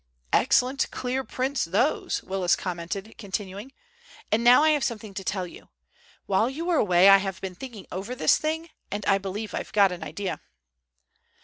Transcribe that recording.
"Excellent, clear prints, those," Willis commented, continuing: "And now I have something to tell you. While you were away I have been thinking over this thing, and I believe I've got an idea."